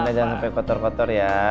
jangan sampai kotor kotor ya